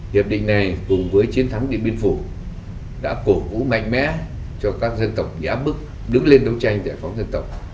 hiệp định này cùng với chiến thắng điện biên phủ đã cổ vũ mạnh mẽ cho các dân tộc nhã bức đứng lên đấu tranh giải phóng dân tộc